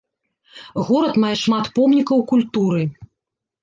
Горад мае шмат помнікаў культуры.